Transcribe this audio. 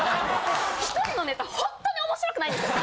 １人のネタほんとに面白くないんですよ！